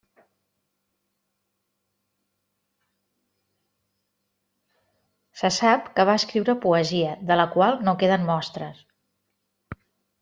Se sap que va escriure poesia, de la qual no queden mostres.